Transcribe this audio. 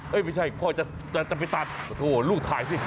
เอ้ยไม่ใช่พ่อจะจะไปตัดพระโทษลูกถ่ายสิ